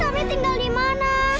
terus kami tinggal dimana